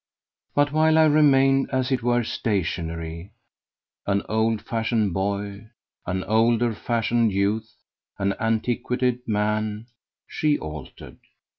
But while I remained, as it were, stationary an old fashioned boy, an older fashioned youth, an antiquated man she altered.